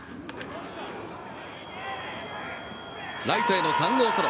ライトへの３号ソロ。